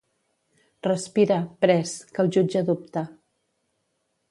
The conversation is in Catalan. Respira, pres, que el jutge dubta.